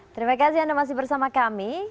terima kasih anda masih bersama kami